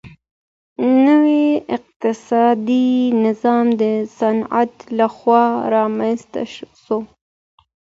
نوی اقتصادي نظام د صنعت لخوا رامنځته سو.